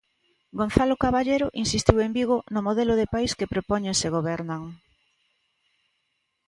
Gonzalo Caballero insistiu en Vigo no modelo de país que propoñen se gobernan.